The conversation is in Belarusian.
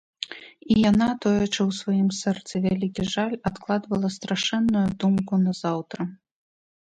І яна, тоячы ў сваім сэрцы вялікі жаль, адкладвала страшэнную думку на заўтра.